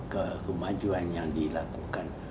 kekemajuan yang dilakukan